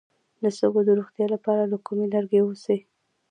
د سږو د روغتیا لپاره له لوګي لرې اوسئ